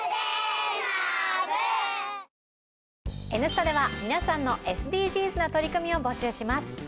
「Ｎスタ」では皆さんのＳＤＧｓな取り組みを募集します。